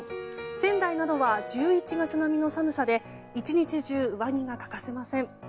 仙台などは１１月並みの寒さで１日中、上着が欠かせません。